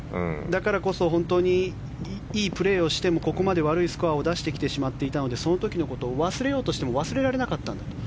だから本当にいいプレーをしてここまで悪いスコアを出してきてしまっていたのでその時のことを忘れようとしても忘れられなかったんだと。